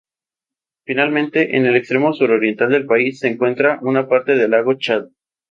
Finalmente, en el extremo suroriental del país se encuentra una parte del lago Chad.